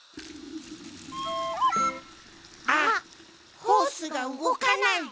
あっホースがうごかない！